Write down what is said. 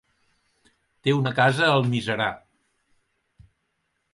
Té una casa a Almiserà.